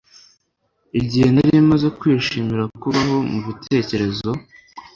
igihe nari maze kwishimira kubaho, mubitekerezo